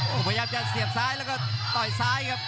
โอ้โหพยายามจะเสียบซ้ายแล้วก็ต่อยซ้ายครับ